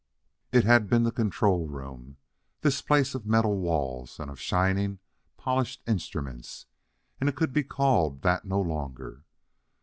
It had been the control room, this place of metal walls and of shining, polished instruments, and it could be called that no longer.